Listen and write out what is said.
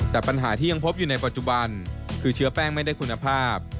แต่ปัญหาที่ยังพบอยู่ในปัจจุบันคือเชื้อแป้งไม่ได้คุณภาพ